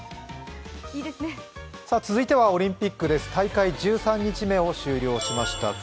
続いてはオリンピック大会１３日目を終了しました。